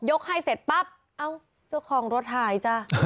ให้เสร็จปั๊บเอ้าเจ้าของรถหายจ้ะ